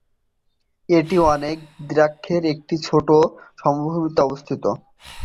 এটি অনেক দ্রাক্ষাক্ষেত্রের একটি ছোট সমভূমিতে অবস্থিত।